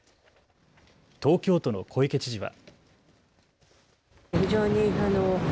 東京都の小池知事は。